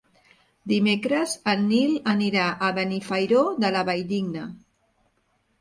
Dimecres en Nil anirà a Benifairó de la Valldigna.